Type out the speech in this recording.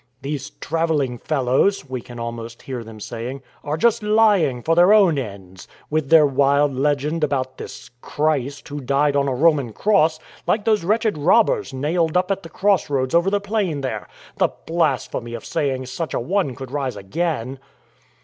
"Jhese travelling fellows," we can almost hear WORSHIPPED AND STONED 143 them saying, *' are just lying for their own ends, with their wild legend about this Christ, Who died on a Roman cross, like those wretched robbers nailed up at the cross roads over the plain there. The blas phemy of saying such a one could rise again